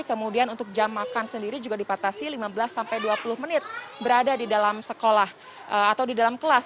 kemudian untuk jam makan sendiri juga dipatasi lima belas sampai dua puluh menit berada di dalam sekolah atau di dalam kelas